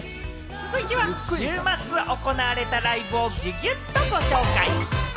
続いては週末行われたライブをギュギュッとご紹介。